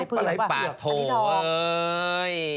ปลาโทเอ้ย